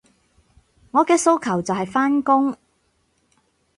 我嘅訴求就係返工